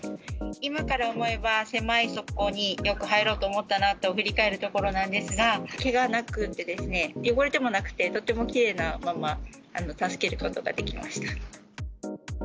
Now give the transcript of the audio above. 今から思えば、狭い側溝によく入ろうと思ったなと振り返るところなんですが、けがなくてですね、汚れてもなくて、とってもきれいなまんま、助けることができました。